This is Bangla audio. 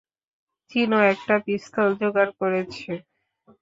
চিনো একটা পিস্তল জোগাড় করেছে।